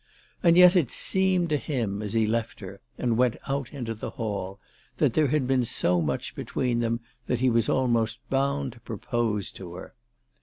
And yet it seemed to him as he left her and went out into the hall that there had been so much between them that he was almost bound to propose to her.